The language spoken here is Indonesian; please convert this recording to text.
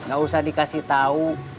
gak usah dikasih tau